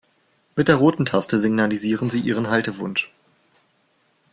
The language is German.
Mit der roten Taste signalisieren Sie Ihren Haltewunsch.